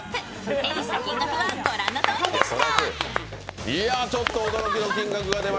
手にした金額はご覧のとおりでした。